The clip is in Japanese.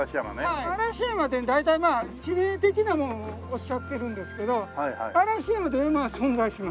嵐山って大体まあ地名的なものをおっしゃってるんですけど嵐山という山は存在します。